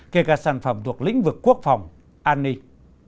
kể cả sản phẩm thuộc lĩnh vực quốc phòng an ninh